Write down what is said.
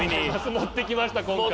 持ってきました今回。